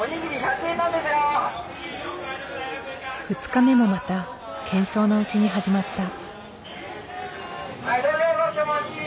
２日目もまたけん騒のうちに始まった。